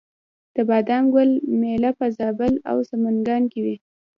د بادام ګل میله په زابل او سمنګان کې وي.